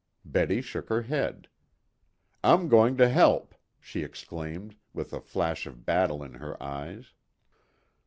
Betty shook her head. "I'm going to help," she exclaimed, with a flash of battle in her eyes.